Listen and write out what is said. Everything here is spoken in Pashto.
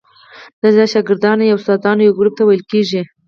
دا د شاګردانو یا استادانو یو ګروپ ته ویل کیږي.